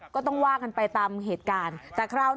ก็โดนกันไปทั่วหน้าหลายราย